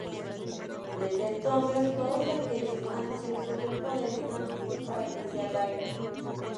Desde entonces, todos aquellos ansiosos del poder están listo para iniciar la guerra.